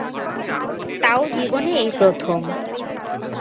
তাও জীবনে এই প্রথম।